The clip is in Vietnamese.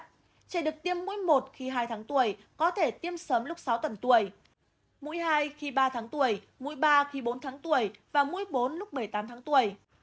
trẻ được tiêm mũi một khi hai tháng tuổi có thể tiêm sớm lúc sáu tuần tuổi mũi hai khi ba tháng tuổi mũi ba khi bốn tháng tuổi và mũi bốn lúc một mươi tám tháng tuổi